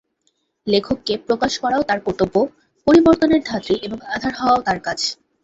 লেখককে প্রকাশ করাও তার কর্তব্য, পরিবর্তনের ধাত্রী এবং আধার হওয়াও তার কাজ।